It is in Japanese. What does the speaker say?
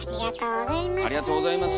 ありがとうございます。